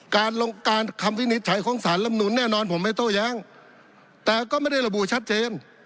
การลงการคำวินิจฉัยของสารลำนุนแน่นอนผมไม่โต้แย้งแต่ก็ไม่ได้ระบุชัดเจน